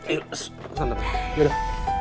iya santai yaudah